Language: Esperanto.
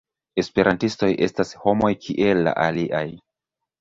Esperantistoj estas homoj kiel la aliaj.